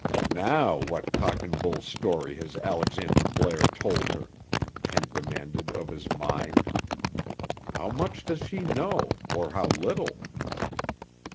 "Now, what cock and bull story has Alexander Blair told her?" Kent demanded of his mind. "How much does she know, or how little?"